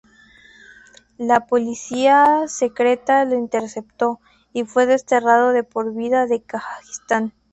La policía secreta lo interceptó y fue desterrado de por vida a Kazajistán.